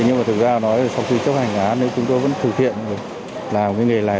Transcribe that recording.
nhưng mà thực ra nói sau khi chấp hành án thì chúng tôi vẫn thực hiện làm cái nghề này